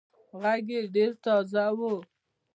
غږ يې ډېر تازه وو.